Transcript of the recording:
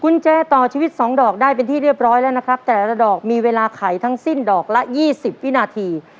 คุณแจต่อชีวิตสองดอกได้เป็นที่เรียบร้อยแล้วนะครับแต่ละดอกมีเวลาไขทั้งสิ้นดอกละยี่สิบวินาที